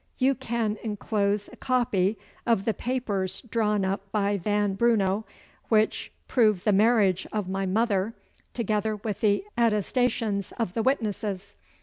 you can enclose a copy of the papers drawn up by Van Brunow, which prove the marriage of my mother, together with the attestations of the witnesses.